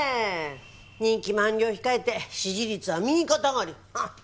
任期満了を控えて支持率は右肩上がり。